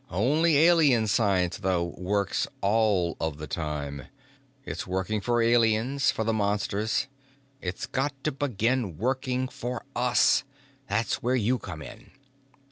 Only Alien science, though, works all of the time. It's working for Aliens, for the Monsters. It's got to begin working for us. That's where you come in."